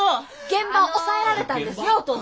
現場を押さえられたんですよお父さん。